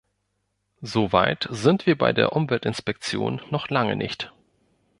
So weit sind wir bei der Umweltinspektion noch lange nicht.